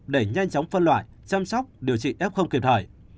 để nhanh chóng phân loại chăm sóc điều trị ép không kịp thời